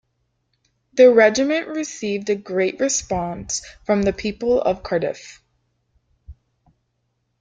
The regiment received a great response from the people of Cardiff.